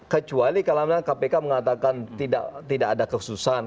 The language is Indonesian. kecuali kalau kpk mengatakan tidak ada kekhususan